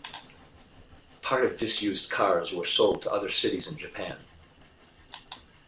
Part of disused cars were sold to other cities in Japan.